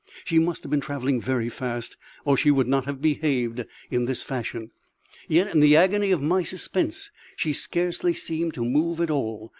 She must have been travelling very fast, or she would not have behaved in this fashion; yet in the agony of my suspense she scarcely seemed to move at all.